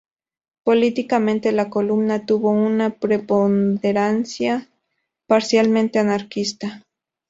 Políticamente, la columna tuvo una preponderancia parcialmente anarquista.